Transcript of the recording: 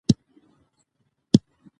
غابي وايي چې مور سره روژه یې ارام کړ.